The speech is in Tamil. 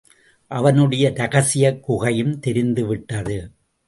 அவனுடைய ரகசியக் குகையும் தெரிந்துவிட்டது.